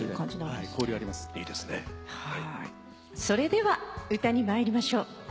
それでは歌に参りましょう。